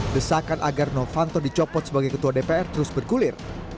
desakan agar novanto dicopot sebagai ketua dpr terus bergulir